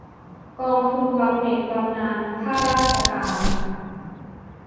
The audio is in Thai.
กองทุนบำเหน็จบำนาญข้าราชการ